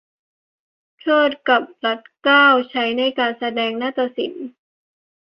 เทริดกับรัดเกล้า ใช้ในการแสดงนาฎศิลป์